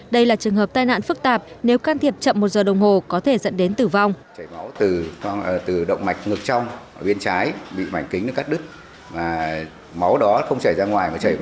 đây là trường hợp tai nạn phức tạp nếu can thiệp chậm một giờ đồng hồ có thể dẫn đến tử vong